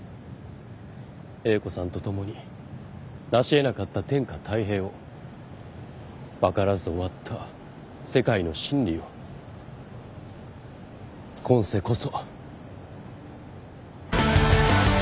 英子さんと共になしえなかった天下泰平を分からず終わった世界の真理を今世こそ。